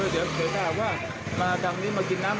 เดี๋ยวให้กลางกินขนม